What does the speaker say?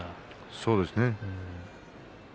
そうですね。